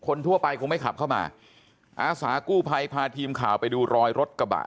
ทั่วไปคงไม่ขับเข้ามาอาสากู้ภัยพาทีมข่าวไปดูรอยรถกระบะ